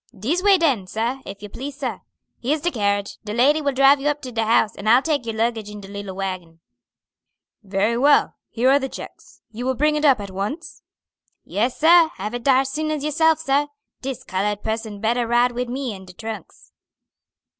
"Dis way den, sah, if you please, sah. Here's de carriage. De lady will drive you up to de house, and I'll take your luggage in de little wagon." "Very well; here are the checks. You will bring it up at once?" "Yes, sah, have it dar soon as yourself, sah. Dis cullad person better ride wid me and de trunks."